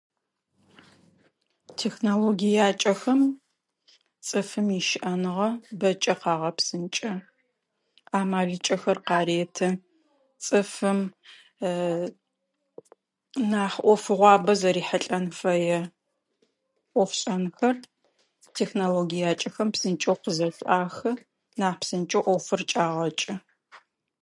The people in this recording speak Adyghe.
Технологиякӏэхэм цӏыфым ищыӏэныгъэ бэкӏэ къагъэпсынкӏэ. Амаль кӏэхэр къареты. Цӏыфым нахь ӏофыгъуабэ зэрихьылӏэн фэе ӏофшӏэнхэр технологиякӏэхэм псынкӏэу къызэшӏуахы. Нахь псынкӏэу ӏофыр кӏагъэкӏы.